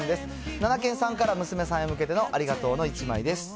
ななけんさんから娘さんへ向けてのありがとうの１枚です。